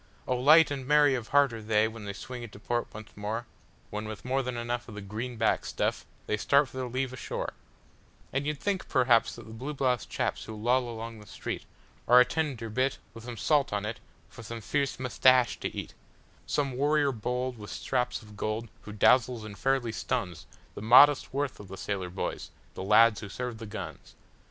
Oh, light and merry of heart are they when they swing into port once more, When, with more than enough of the "green backed stuff," they start for their leave o' shore; And you'd think, perhaps, that the blue bloused chaps who loll along the streetAre a tender bit, with salt on it, for some fierce "mustache" to eat—Some warrior bold, with straps of gold, who dazzles and fairly stunsThe modest worth of the sailor boys—the lads who serve the guns.